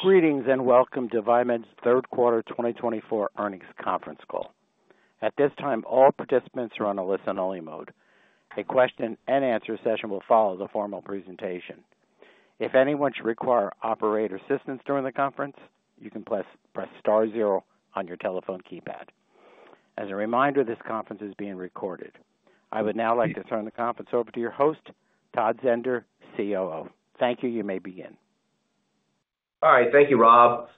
Greetings and welcome to Viemed's third quarter 2024 earnings conference call. At this time, all participants are on a listen-only mode. A question-and-answer session will follow the formal presentation. If anyone should require operator assistance during the conference, you can press star zero on your telephone keypad. As a reminder, this conference is being recorded. I would now like to turn the conference over to your host, Todd Zehnder, COO. Thank you. You may begin. All right. Thank you, Rob.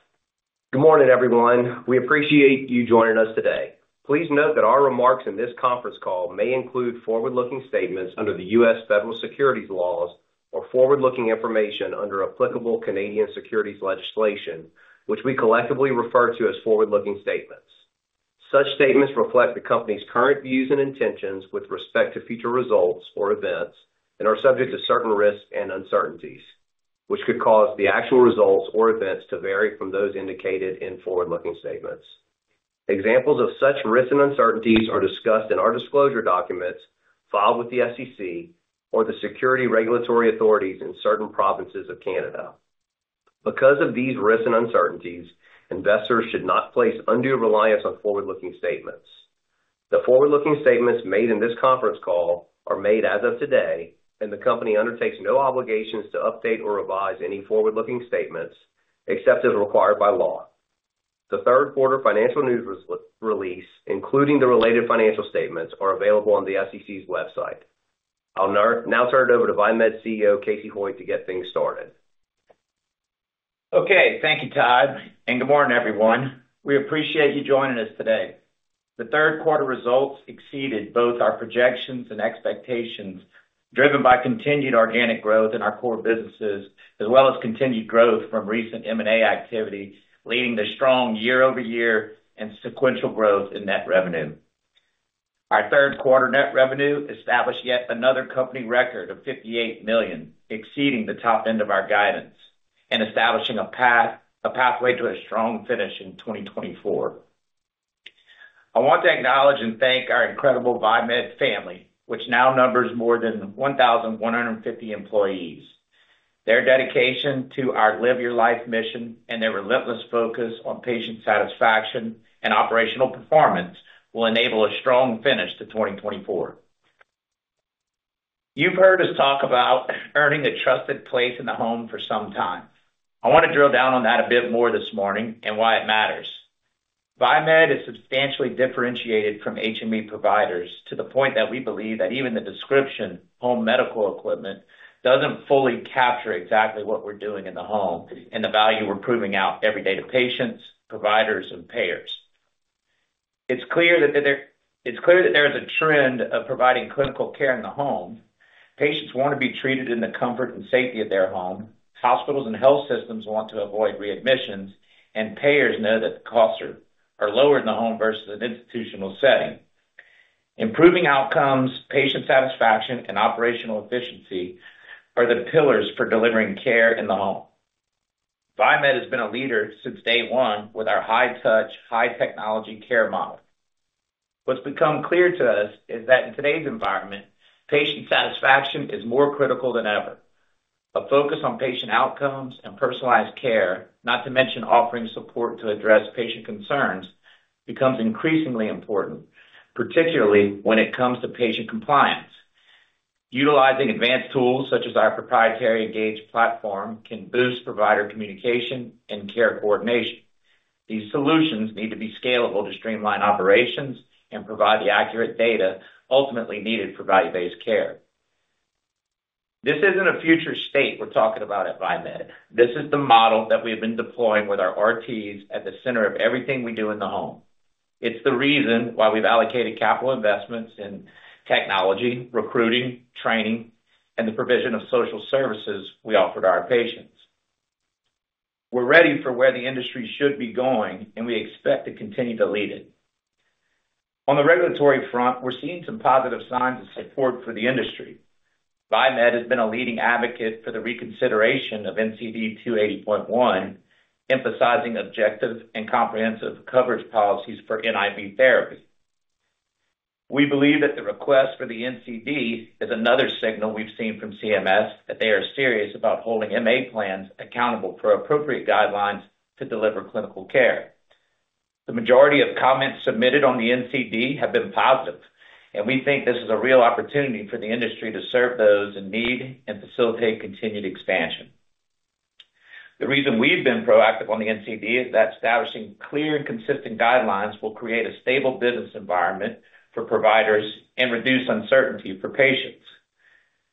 Good morning, everyone. We appreciate you joining us today. Please note that our remarks in this conference call may include forward-looking statements under the U.S. federal securities laws or forward-looking information under applicable Canadian securities legislation, which we collectively refer to as forward-looking statements. Such statements reflect the company's current views and intentions with respect to future results or events and are subject to certain risks and uncertainties, which could cause the actual results or events to vary from those indicated in forward-looking statements. Examples of such risks and uncertainties are discussed in our disclosure documents filed with the SEC or the securities regulatory authorities in certain provinces of Canada. Because of these risks and uncertainties, investors should not place undue reliance on forward-looking statements. The forward-looking statements made in this conference call are made as of today, and the company undertakes no obligations to update or revise any forward-looking statements except as required by law. The third quarter financial news release, including the related financial statements, are available on the SEC's website. I'll now turn it over to Viemed CEO Casey Hoyt to get things started. Okay. Thank you, Todd. And good morning, everyone. We appreciate you joining us today. The third quarter results exceeded both our projections and expectations, driven by continued organic growth in our core businesses, as well as continued growth from recent M&A activity, leading to strong year-over-year and sequential growth in net revenue. Our third quarter net revenue established yet another company record of $58 million, exceeding the top end of our guidance and establishing a pathway to a strong finish in 2024. I want to acknowledge and thank our incredible Viemed family, which now numbers more than 1,150 employees. Their dedication to our Live Your Life mission and their relentless focus on patient satisfaction and operational performance will enable a strong finish to 2024. You've heard us talk about earning a trusted place in the home for some time. I want to drill down on that a bit more this morning and why it matters. Viemed is substantially differentiated from HME providers to the point that we believe that even the description, home medical equipment, doesn't fully capture exactly what we're doing in the home and the value we're proving out every day to patients, providers, and payers. It's clear that there is a trend of providing clinical care in the home. Patients want to be treated in the comfort and safety of their home. Hospitals and health systems want to avoid readmissions, and payers know that the costs are lower in the home versus an institutional setting. Improving outcomes, patient satisfaction, and operational efficiency are the pillars for delivering care in the home. Viemed has been a leader since day one with our high-touch, high-technology care model. What's become clear to us is that in today's environment, patient satisfaction is more critical than ever. A focus on patient outcomes and personalized care, not to mention offering support to address patient concerns, becomes increasingly important, particularly when it comes to patient compliance. Utilizing advanced tools such as our proprietary Engage platform can boost provider communication and care coordination. These solutions need to be scalable to streamline operations and provide the accurate data ultimately needed for value-based care. This isn't a future state we're talking about at Viemed. This is the model that we have been deploying with our RTs at the center of everything we do in the home. It's the reason why we've allocated capital investments in technology, recruiting, training, and the provision of social services we offer to our patients. We're ready for where the industry should be going, and we expect to continue to lead it. On the regulatory front, we're seeing some positive signs of support for the industry. Viemed has been a leading advocate for the reconsideration of NCD 280.1, emphasizing objective and comprehensive coverage policies for NIV therapy. We believe that the request for the NCD is another signal we've seen from CMS that they are serious about holding MA plans accountable for appropriate guidelines to deliver clinical care. The majority of comments submitted on the NCD have been positive, and we think this is a real opportunity for the industry to serve those in need and facilitate continued expansion. The reason we've been proactive on the NCD is that establishing clear and consistent guidelines will create a stable business environment for providers and reduce uncertainty for patients.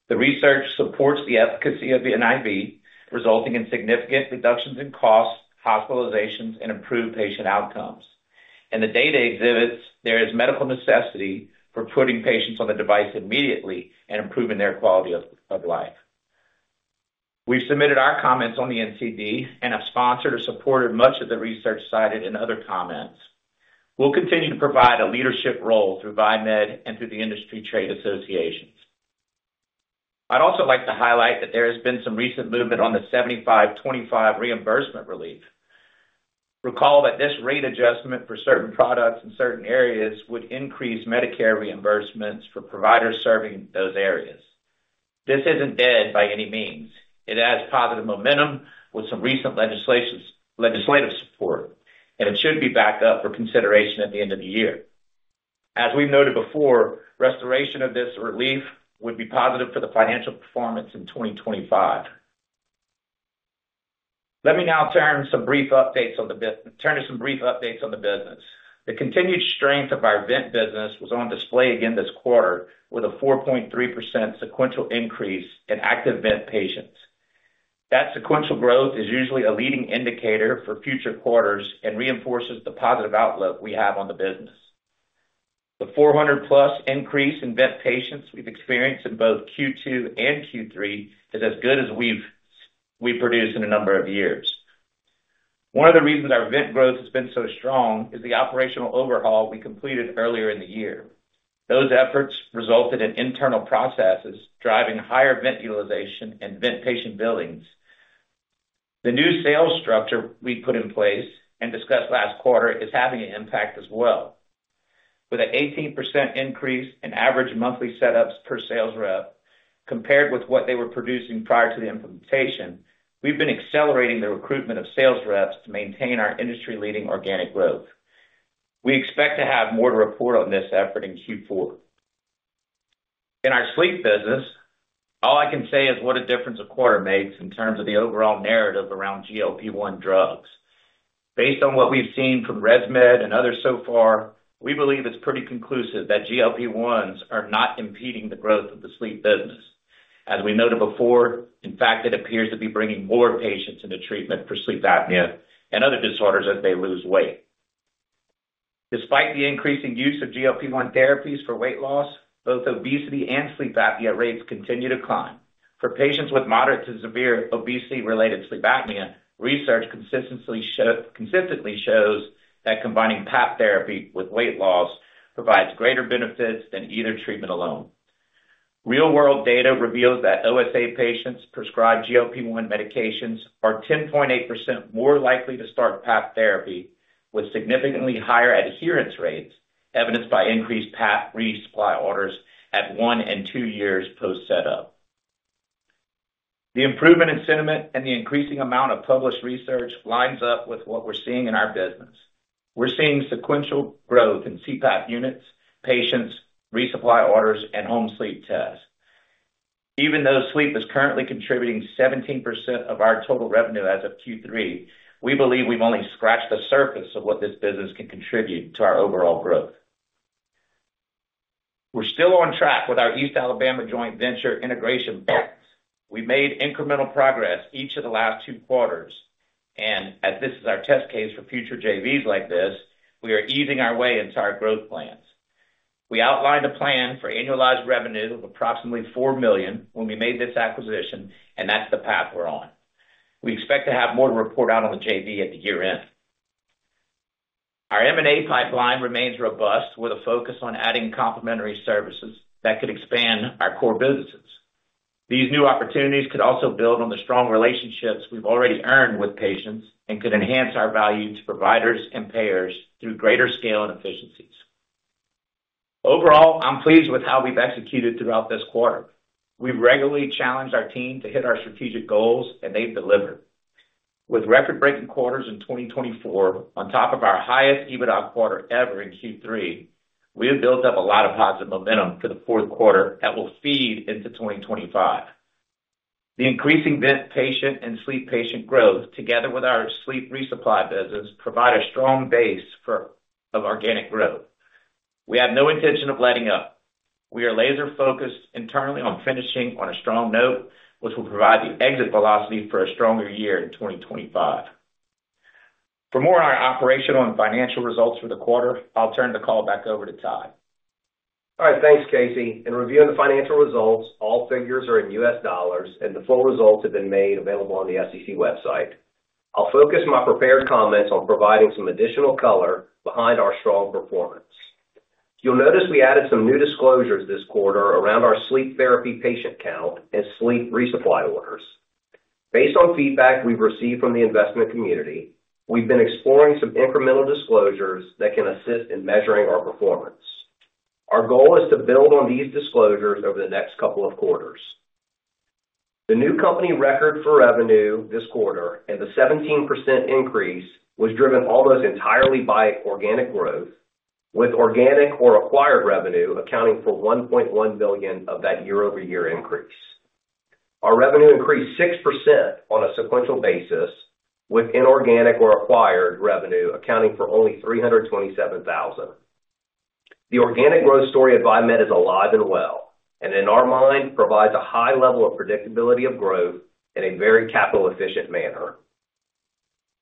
The research supports the efficacy of the NIV, resulting in significant reductions in costs, hospitalizations, and improved patient outcomes. In the data exhibits, there is medical necessity for putting patients on the device immediately and improving their quality of life. We've submitted our comments on the NCD and have sponsored or supported much of the research cited in other comments. We'll continue to provide a leadership role through Viemed and through the industry trade associations. I'd also like to highlight that there has been some recent movement on the 75/25 reimbursement relief. Recall that this rate adjustment for certain products in certain areas would increase Medicare reimbursements for providers serving those areas. This isn't dead by any means. It has positive momentum with some recent legislative support, and it should be backed up for consideration at the end of the year. As we've noted before, restoration of this relief would be positive for the financial performance in 2025. Let me now turn to some brief updates on the business. The continued strength of our vent business was on display again this quarter with a 4.3% sequential increase in active vent patients. That sequential growth is usually a leading indicator for future quarters and reinforces the positive outlook we have on the business. The 400+ increase in vent patients we've experienced in both Q2 and Q3 is as good as we've produced in a number of years. One of the reasons our vent growth has been so strong is the operational overhaul we completed earlier in the year. Those efforts resulted in internal processes driving higher vent utilization and vent patient billings. The new sales structure we put in place and discussed last quarter is having an impact as well. With an 18% increase in average monthly setups per sales rep compared with what they were producing prior to the implementation, we've been accelerating the recruitment of sales reps to maintain our industry-leading organic growth. We expect to have more to report on this effort in Q4. In our sleep business, all I can say is what a difference a quarter makes in terms of the overall narrative around GLP-1 drugs. Based on what we've seen from ResMed and others so far, we believe it's pretty conclusive that GLP-1s are not impeding the growth of the sleep business. As we noted before, in fact, it appears to be bringing more patients into treatment for sleep apnea and other disorders as they lose weight. Despite the increasing use of GLP-1 therapies for weight loss, both obesity and sleep apnea rates continue to climb. For patients with moderate to severe obesity-related sleep apnea, research consistently shows that combining PAP therapy with weight loss provides greater benefits than either treatment alone. Real-world data reveals that OSA patients prescribed GLP-1 medications are 10.8% more likely to start PAP therapy with significantly higher adherence rates, evidenced by increased PAP resupply orders at one and two years post-setup. The improvement in sentiment and the increasing amount of published research lines up with what we're seeing in our business. We're seeing sequential growth in CPAP units, patients, resupply orders, and home sleep tests. Even though sleep is currently contributing 17% of our total revenue as of Q3, we believe we've only scratched the surface of what this business can contribute to our overall growth. We're still on track with our East Alabama Joint Venture integration plans. We've made incremental progress each of the last two quarters. And as this is our test case for future JVs like this, we are easing our way into our growth plans. We outlined a plan for annualized revenue of approximately $4 million when we made this acquisition, and that's the path we're on. We expect to have more to report out on the JV at the year end. Our M&A pipeline remains robust with a focus on adding complementary services that could expand our core businesses. These new opportunities could also build on the strong relationships we've already earned with patients and could enhance our value to providers and payers through greater scale and efficiencies. Overall, I'm pleased with how we've executed throughout this quarter. We've regularly challenged our team to hit our strategic goals, and they've delivered. With record-breaking quarters in 2024 on top of our highest EBITDA quarter ever in Q3, we have built up a lot of positive momentum for the fourth quarter that will feed into 2025. The increasing vent patient and sleep patient growth, together with our sleep resupply business, provide a strong base for organic growth. We have no intention of letting up. We are laser-focused internally on finishing on a strong note, which will provide the exit velocity for a stronger year in 2025. For more on our operational and financial results for the quarter, I'll turn the call back over to Todd. All right. Thanks, Casey. In reviewing the financial results, all figures are in U.S. dollars, and the full results have been made available on the SEC website. I'll focus my prepared comments on providing some additional color behind our strong performance. You'll notice we added some new disclosures this quarter around our sleep therapy patient count and sleep resupply orders. Based on feedback we've received from the investment community, we've been exploring some incremental disclosures that can assist in measuring our performance. Our goal is to build on these disclosures over the next couple of quarters. The new company record for revenue this quarter and the 17% increase was driven almost entirely by organic growth, with organic or acquired revenue accounting for $1.1 million of that year-over-year increase. Our revenue increased 6% on a sequential basis, with inorganic or acquired revenue accounting for only $327,000. The organic growth story at Viemed is alive and well, and in our mind, provides a high level of predictability of growth in a very capital-efficient manner.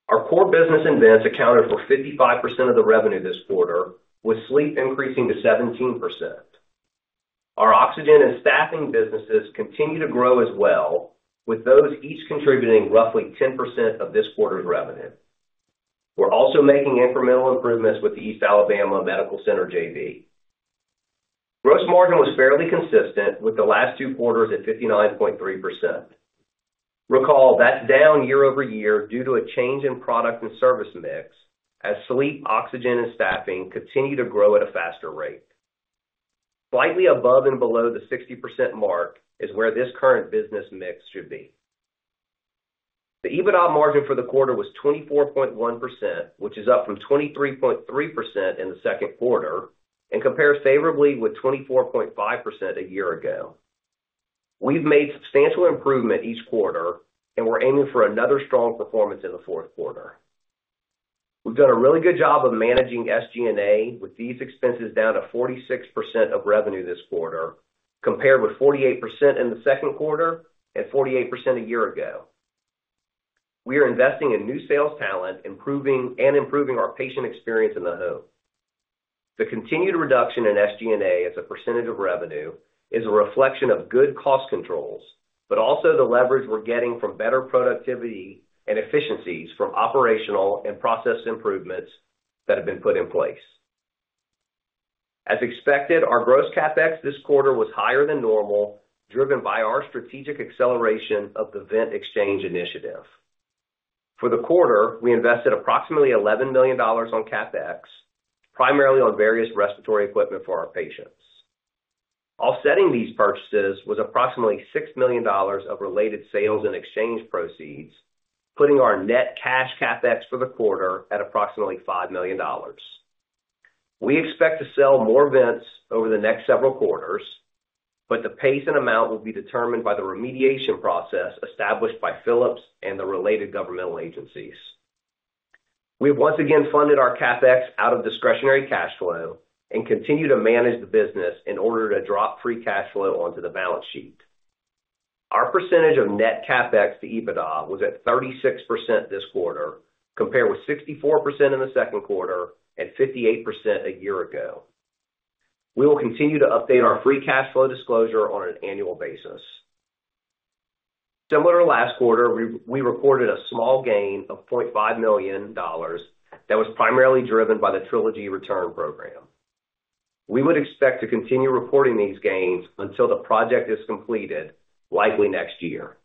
Our core business and vents accounted for 55% of the revenue this quarter, with sleep increasing to 17%. Our oxygen and staffing businesses continue to grow as well, with those each contributing roughly 10% of this quarter's revenue. We're also making incremental improvements with the East Alabama Medical Center JV. Gross margin was fairly consistent with the last two quarters at 59.3%. Recall that's down year-over-year due to a change in product and service mix as sleep, oxygen, and staffing continue to grow at a faster rate. Slightly above and below the 60% mark is where this current business mix should be. The EBITDA margin for the quarter was 24.1%, which is up from 23.3% in the second quarter and compares favorably with 24.5% a year ago. We've made substantial improvement each quarter, and we're aiming for another strong performance in the fourth quarter. We've done a really good job of managing SG&A with these expenses down to 46% of revenue this quarter, compared with 48% in the second quarter and 48% a year ago. We are investing in new sales talent, improving our patient experience in the home. The continued reduction in SG&A as a percentage of revenue is a reflection of good cost controls, but also the leverage we're getting from better productivity and efficiencies from operational and process improvements that have been put in place. As expected, our gross CapEx this quarter was higher than normal, driven by our strategic acceleration of the vent exchange initiative. For the quarter, we invested approximately $11 million on CapEx, primarily on various respiratory equipment for our patients. Offsetting these purchases was approximately $6 million of related sales and exchange proceeds, putting our net cash CapEx for the quarter at approximately $5 million. We expect to sell more vents over the next several quarters, but the pace and amount will be determined by the remediation process established by Philips and the related governmental agencies. We've once again funded our CapEx out of discretionary cash flow and continue to manage the business in order to drop free cash flow onto the balance sheet. Our percentage of net CapEx to EBITDA was at 36% this quarter, compared with 64% in the second quarter and 58% a year ago. We will continue to update our free cash flow disclosure on an annual basis. Similar to last quarter, we recorded a small gain of $0.5 million that was primarily driven by the Trilogy Return Program. We would expect to continue reporting these gains until the project is completed, likely next year.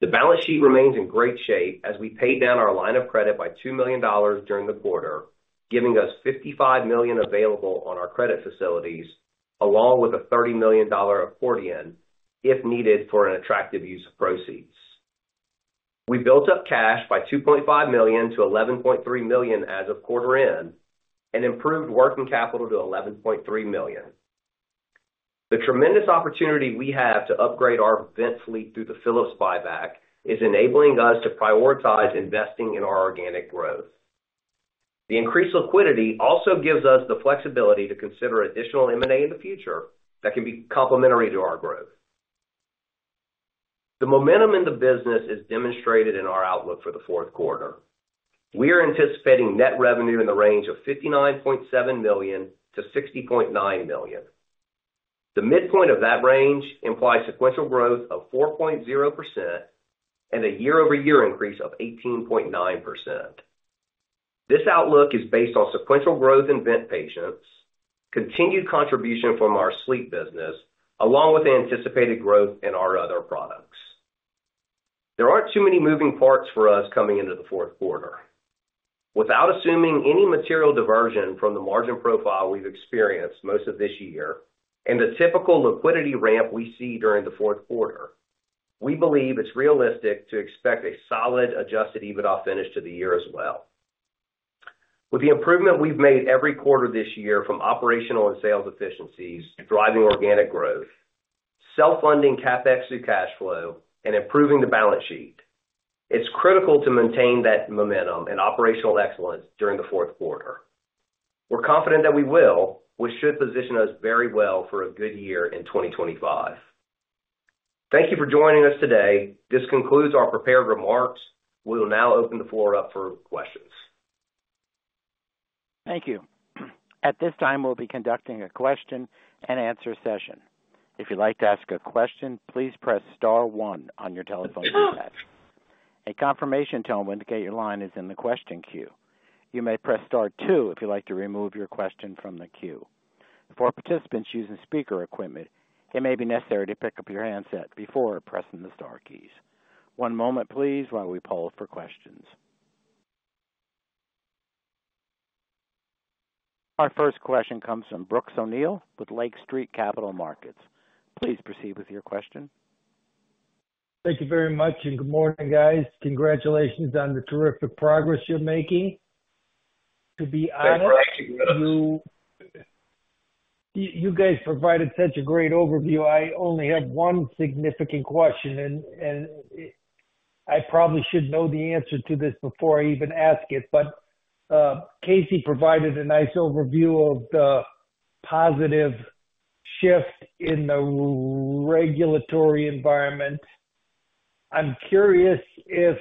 The balance sheet remains in great shape as we paid down our line of credit by $2 million during the quarter, giving us $55 million available on our credit facilities, along with a $30 million accordion if needed for an attractive use of proceeds. We built up cash by $2.5 million-$11.3 million as of quarter end and improved working capital to $11.3 million. The tremendous opportunity we have to upgrade our vent fleet through the Philips buyback is enabling us to prioritize investing in our organic growth. The increased liquidity also gives us the flexibility to consider additional M&A in the future that can be complementary to our growth. The momentum in the business is demonstrated in our outlook for the fourth quarter. We are anticipating net revenue in the range of $59.7 million-$60.9 million. The midpoint of that range implies sequential growth of 4.0% and a year-over-year increase of 18.9%. This outlook is based on sequential growth in vent patients, continued contribution from our sleep business, along with anticipated growth in our other products. There aren't too many moving parts for us coming into the fourth quarter. Without assuming any material diversion from the margin profile we've experienced most of this year and the typical liquidity ramp we see during the fourth quarter, we believe it's realistic to expect a solid Adjusted EBITDA finish to the year as well. With the improvement we've made every quarter this year from operational and sales efficiencies and driving organic growth, self-funding CapEx to cash flow, and improving the balance sheet, it's critical to maintain that momentum and operational excellence during the fourth quarter. We're confident that we will, which should position us very well for a good year in 2025. Thank you for joining us today. This concludes our prepared remarks. We'll now open the floor up for questions. Thank you. At this time, we'll be conducting a question-and-answer session. If you'd like to ask a question, please press star one on your telephone keypad. A confirmation tone will indicate your line is in the question queue. You may press star two if you'd like to remove your question from the queue. For participants using speaker equipment, it may be necessary to pick up your handset before pressing the star keys. One moment, please, while we poll for questions. Our first question comes from Brooks O'Neil with Lake Street Capital Markets. Please proceed with your question. Thank you very much, and good morning, guys. Congratulations on the terrific progress you're making. To be honest, you guys provided such a great overview. I only have one significant question, and I probably should know the answer to this before I even ask it. But Casey provided a nice overview of the positive shift in the regulatory environment. I'm curious if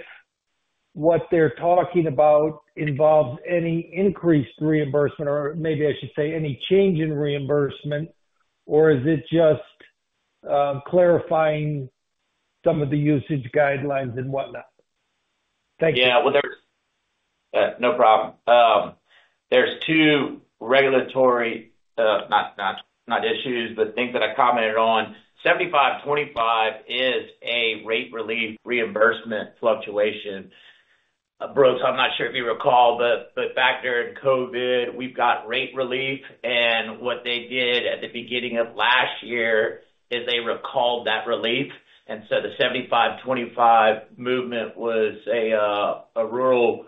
what they're talking about involves any increased reimbursement, or maybe I should say any change in reimbursement, or is it just clarifying some of the usage guidelines and whatnot? Thank you. Yeah. No problem. There's two regulatory, not issues, but things that I commented on. 75/25 is a rate relief reimbursement fluctuation. Brooks, I'm not sure if you recall, but back during COVID, we've got rate relief, and what they did at the beginning of last year is they recalled that relief. And so the 75/25 movement was a rural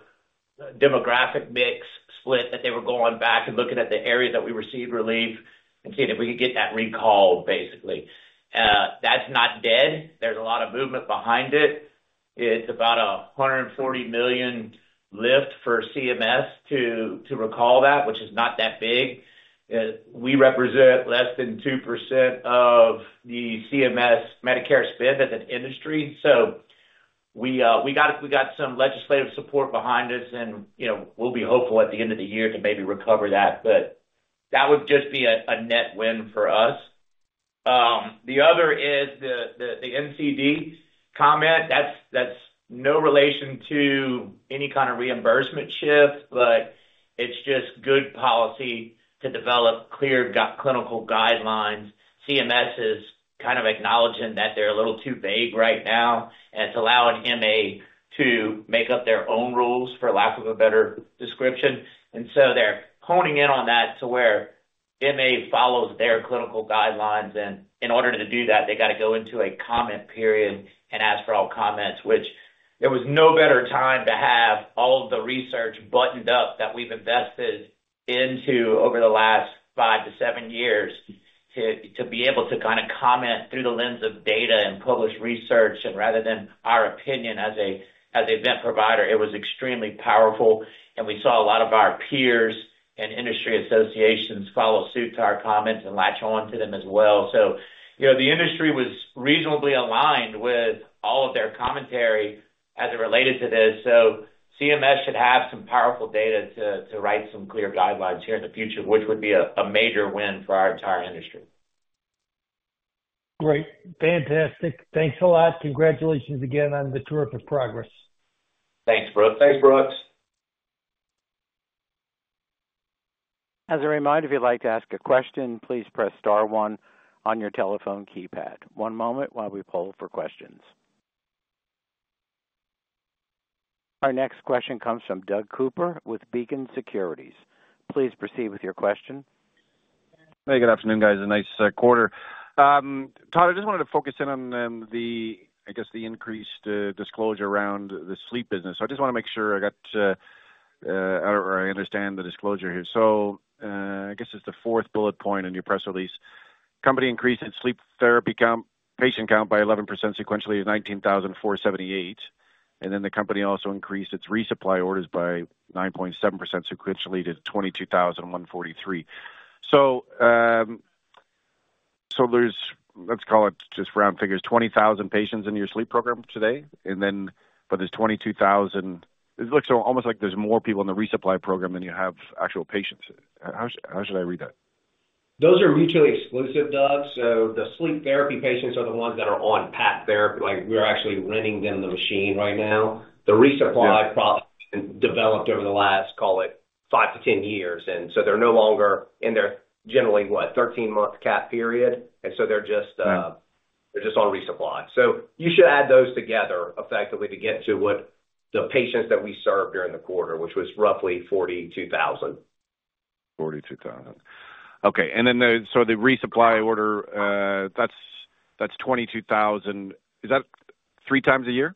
demographic mix split that they were going back and looking at the areas that we received relief and seeing if we could get that recalled, basically. That's not dead. There's a lot of movement behind it. It's about a $140 million lift for CMS to recall that, which is not that big. We represent less than 2% of the CMS Medicare spend as an industry. So we got some legislative support behind us, and we'll be hopeful at the end of the year to maybe recover that. But that would just be a net win for us. The other is the NCD comment. That's no relation to any kind of reimbursement shift, but it's just good policy to develop clear clinical guidelines. CMS is kind of acknowledging that they're a little too vague right now, and it's allowing MA to make up their own rules, for lack of a better description. And so they're honing in on that to where MA follows their clinical guidelines. And in order to do that, they got to go into a comment period and ask for all comments, which there was no better time to have all of the research buttoned up that we've invested into over the last five to seven years to be able to kind of comment through the lens of data and published research. Rather than our opinion as a vent provider, it was extremely powerful, and we saw a lot of our peers and industry associations follow suit to our comments and latch on to them as well. The industry was reasonably aligned with all of their commentary as it related to this. CMS should have some powerful data to write some clear guidelines here in the future, which would be a major win for our entire industry. Great. Fantastic. Thanks a lot. Congratulations again on the terrific progress. Thanks, Brooks. Thanks, Brooks. As a reminder, if you'd like to ask a question, please press star one on your telephone keypad. One moment while we poll for questions. Our next question comes from Doug Cooper with Beacon Securities. Please proceed with your question. Hey, good afternoon, guys. A nice quarter. Todd, I just wanted to focus in on the, I guess, the increased disclosure around the sleep business. So I just want to make sure I got or I understand the disclosure here. So I guess it's the fourth bullet point in your press release. Company increased its sleep therapy patient count by 11% sequentially to 19,478. And then the company also increased its resupply orders by 9.7% sequentially to 22,143. So let's call it just round figures, 20,000 patients in your sleep program today, but there's 22,000. It looks almost like there's more people in the resupply program than you have actual patients. How should I read that? Those are mutually exclusive, Doug. So the sleep therapy patients are the ones that are on PAP therapy. We're actually renting them the machine right now. The resupply problem developed over the last, call it, 5-10 years. And so they're no longer in their, generally, what, 13-month cap period? And so they're just on resupply. So you should add those together effectively to get to what the patients that we served during the quarter, which was roughly 42,000. 42,000. Okay, and then so the resupply order, that's 22,000. Is that 3x a year,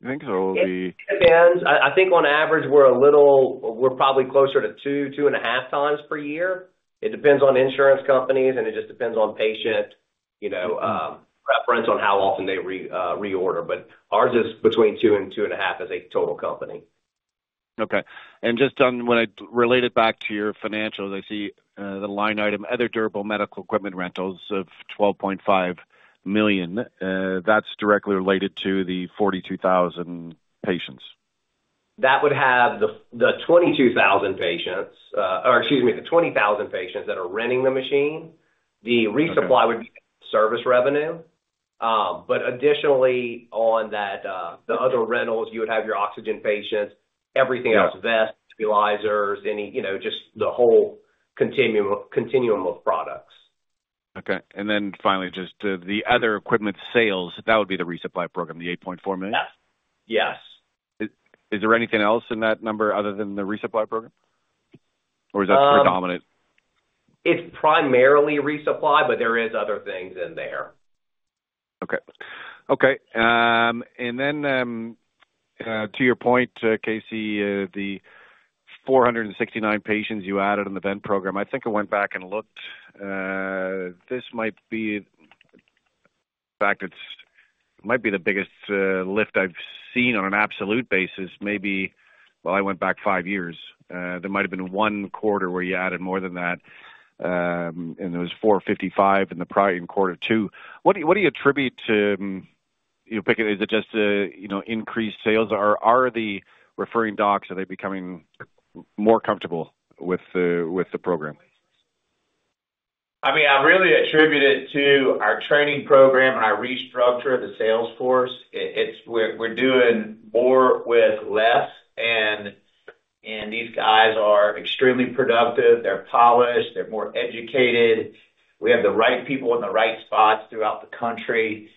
you think? Or will it be? It depends. I think on average, we're probably closer to 2, 2.5x per year. It depends on insurance companies, and it just depends on patient preference on how often they reorder. But ours is between two and two and a half as a total company. Okay. And just on when I relate it back to your financials, I see the line item other durable medical equipment rentals of $12.5 million. That's directly related to the 42,000 patients. That would have the 22,000 patients - or excuse me, the 20,000 patients that are renting the machine. The resupply would be service revenue. But additionally, on the other rentals, you would have your oxygen patients, everything else, vests, nebulizers, just the whole continuum of products. Okay. And then finally, just the other equipment sales, that would be the resupply program, the $8.4 million? Yes. Yes. Is there anything else in that number other than the resupply program, or is that predominant? It's primarily resupply, but there are other things in there. Okay. Okay. And then to your point, Casey, the 469 patients you added in the vent program, I think I went back and looked. This might be. In fact, it might be the biggest lift I've seen on an absolute basis, maybe. Well, I went back five years. There might have been one quarter where you added more than that, and it was 455 in quarter two. What do you attribute to? Is it just increased sales? Are the referring docs, are they becoming more comfortable with the program? I mean, I really attribute it to our training program and our restructure of the sales force. We're doing more with less, and these guys are extremely productive. They're polished. They're more educated. We have the right people in the right spots throughout the country.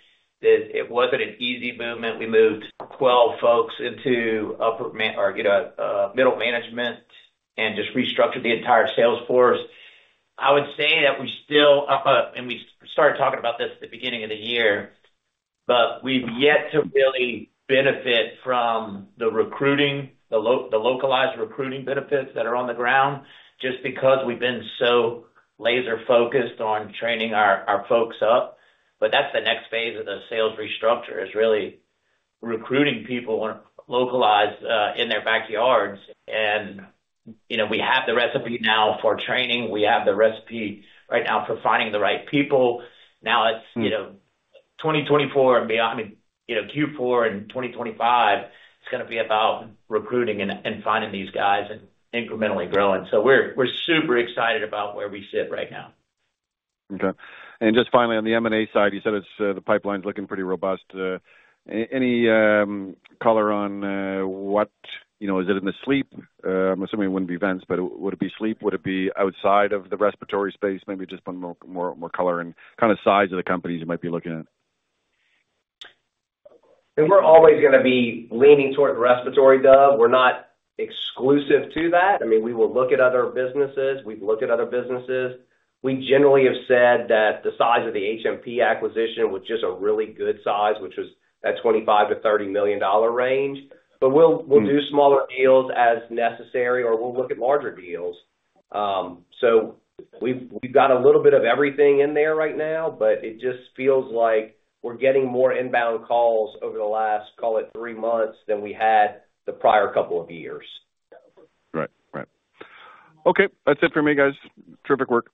It wasn't an easy movement. We moved 12 folks into upper or middle management and just restructured the entire sales force. I would say that we still, and we started talking about this at the beginning of the year, but we've yet to really benefit from the localized recruiting benefits that are on the ground just because we've been so laser-focused on training our folks up. But that's the next phase of the sales restructure is really recruiting people localized in their backyards, and we have the recipe now for training. We have the recipe right now for finding the right people. Now it's 2024 and beyond. I mean, Q4 and 2025, it's going to be about recruiting and finding these guys and incrementally growing. So we're super excited about where we sit right now. Okay, and just finally, on the M&A side, you said the pipeline's looking pretty robust. Any color on what? Is it in the sleep? I'm assuming it wouldn't be vents, but would it be sleep? Would it be outside of the respiratory space? Maybe just put more color in kind of size of the companies you might be looking at. And we're always going to be leaning toward the respiratory, Doug. We're not exclusive to that. I mean, we will look at other businesses. We've looked at other businesses. We generally have said that the size of the HMP acquisition was just a really good size, which was that $25 million-$30 million range. But we'll do smaller deals as necessary, or we'll look at larger deals. So we've got a little bit of everything in there right now, but it just feels like we're getting more inbound calls over the last, call it, three months than we had the prior couple of years. Right. Right. Okay. That's it for me, guys. Terrific work.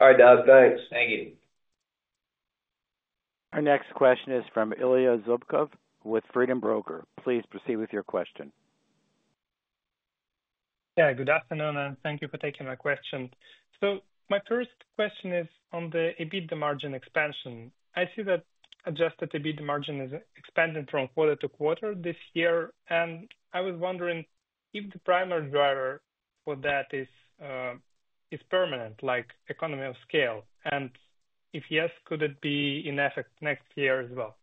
All right, Doug. Thanks. Thank you. Our next question is from Ilya Zubkov with Freedom Broker. Please proceed with your question. Yeah. Good afternoon, and thank you for taking my question. So my first question is on the EBITDA margin expansion. I see that Adjusted EBITDA margin is expanding from quarter to quarter this year, and I was wondering if the primary driver for that is permanent, like economy of scale, and if yes, could it be in effect next year as well?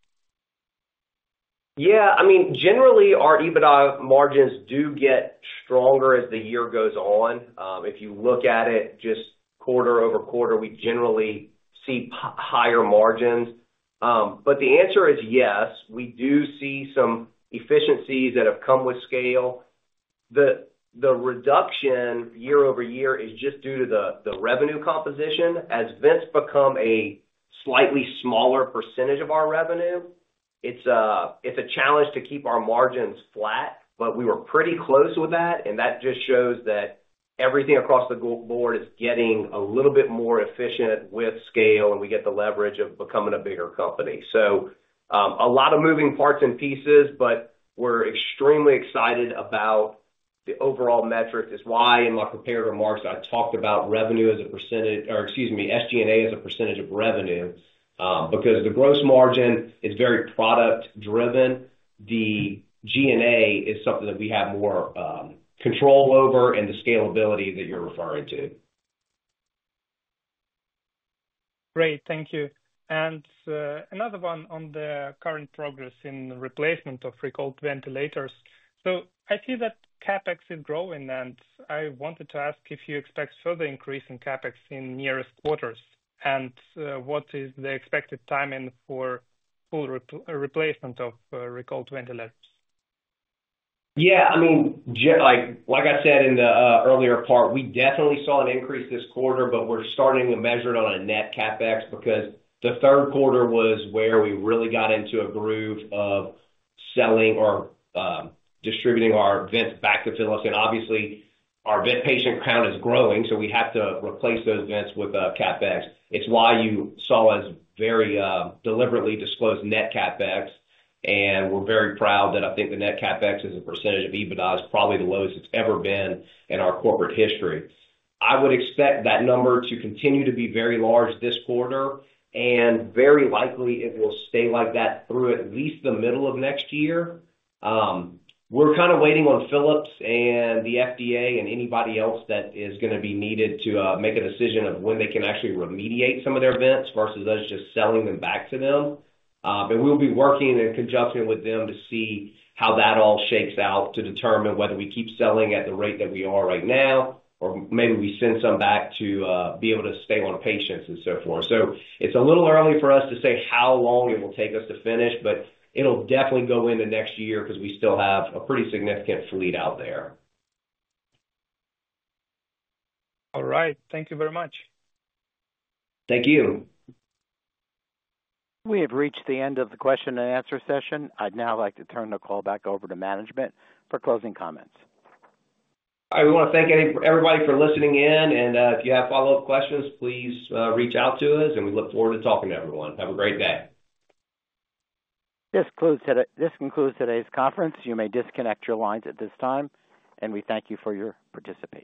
Yeah. I mean, generally, our EBITDA margins do get stronger as the year goes on. If you look at it just quarter over quarter, we generally see higher margins. But the answer is yes. We do see some efficiencies that have come with scale. The reduction year-over-year is just due to the revenue composition. As vents become a slightly smaller percentage of our revenue, it's a challenge to keep our margins flat, but we were pretty close with that, and that just shows that everything across the board is getting a little bit more efficient with scale, and we get the leverage of becoming a bigger company. So a lot of moving parts and pieces, but we're extremely excited about the overall metrics. It's why in my comparative remarks, I talked about revenue as a percentage, or excuse me, SG&A as a percentage of revenue, because the gross margin is very product-driven. The G&A is something that we have more control over and the scalability that you're referring to. Great. Thank you. And another one on the current progress in replacement of recalled ventilators. So I see that CapEx is growing, and I wanted to ask if you expect further increase in CapEx in nearest quarters. And what is the expected timing for full replacement of recalled ventilators? Yeah. I mean, like I said in the earlier part, we definitely saw an increase this quarter, but we're starting to measure it on a net CapEx because the third quarter was where we really got into a groove of selling or distributing our vents back to Philips, and obviously, our vent patient count is growing, so we have to replace those vents with CapEx. It's why you saw us very deliberately disclose net CapEx, and we're very proud that I think the net CapEx as a percentage of EBITDA is probably the lowest it's ever been in our corporate history. I would expect that number to continue to be very large this quarter, and very likely, it will stay like that through at least the middle of next year. We're kind of waiting on Phillips and the FDA and anybody else that is going to be needed to make a decision of when they can actually remediate some of their vents versus us just selling them back to them. But we'll be working in conjunction with them to see how that all shakes out to determine whether we keep selling at the rate that we are right now, or maybe we send some back to be able to stay on patients and so forth. So it's a little early for us to say how long it will take us to finish, but it'll definitely go into next year because we still have a pretty significant fleet out there. All right. Thank you very much. Thank you. We have reached the end of the question-and-answer session. I'd now like to turn the call back over to management for closing comments. I want to thank everybody for listening in, and if you have follow-up questions, please reach out to us, and we look forward to talking to everyone. Have a great day. This concludes today's conference. You may disconnect your lines at this time, and we thank you for your participation.